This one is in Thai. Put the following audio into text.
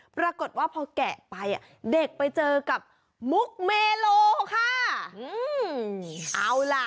ปรากฎว่าพอแกะไปเด็กไปเจอกับมุกเมโลค่ะ